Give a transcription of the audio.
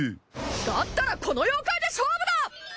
だったらこの妖怪で勝負だ！